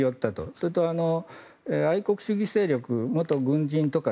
それと、愛国主義勢力元軍人とか